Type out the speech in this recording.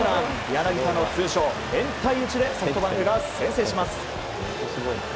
柳田の通称・変態打ちでソフトバンクが先制します。